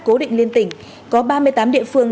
cố định liên tỉnh có ba mươi tám địa phương